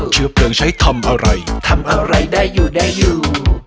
เชื้อเพลิงใช้ทำอะไรทำอะไรได้อยู่ได้อยู่